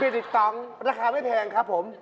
บิลลิตรองราคาไม่แพงครับผม